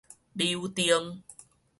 柳丁